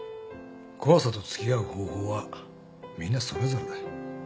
怖さと付き合う方法はみんなそれぞれだ。